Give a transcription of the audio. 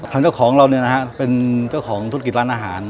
ทางเจ้าของเราเนี่ยนะฮะเป็นเจ้าของธุรกิจร้านอาหาร